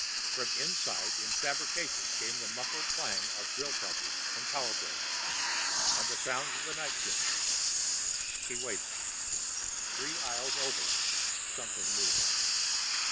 From outside in fabrication came the muffled clang of drill press and power brake, the sounds of the night shift. He waited. Three aisles over, something moved.